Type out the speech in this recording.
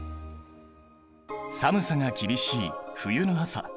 寒さが厳しい冬の朝。